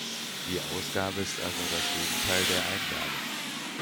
Die Ausgabe ist also das Gegenteil der Eingabe.